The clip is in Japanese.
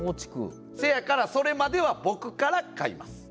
せやから、それまでは僕から買います。